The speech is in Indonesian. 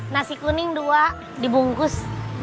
nasi kuning dua dibungkus